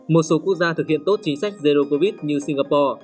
một số quốc gia thực hiện tốt chính sách zero covid như singapore